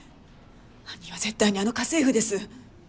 犯人は絶対にあの家政婦です。